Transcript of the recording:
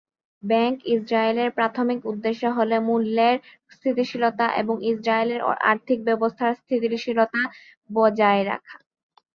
Bank ইসরায়েলের প্রাথমিক উদ্দেশ্য হল মূল্যের স্থিতিশীলতা এবং ইসরায়েলের আর্থিক ব্যবস্থার স্থিতিশীলতা বজায় রাখা।